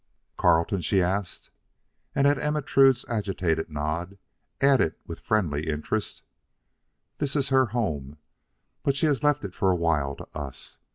"Carleton?" she asked; and at Ermentrude's agitated nod, added with friendly interest: "This is her home; but she has left it for a while to us.